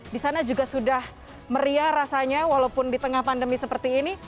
di sana juga sudah meriah rasanya walaupun di tengah pandemi seperti ini